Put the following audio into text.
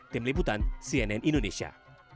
tim liputan cnn indonesia